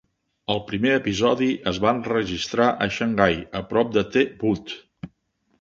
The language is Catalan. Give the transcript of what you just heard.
El primer episodi es va enregistrar a Xangai, a prop de The Bund.